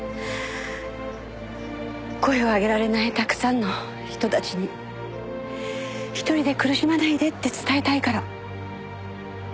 「声を上げられない沢山の人たちに一人で苦しまないでって伝えたいから」